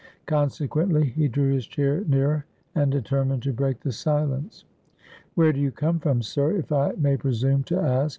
Consequently he drew his chair nearer, and deter mined to break the silence. "Where do you come from, sir, if I may presume to ask?"